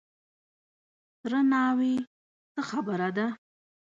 _تره ناوې! څه خبره ده؟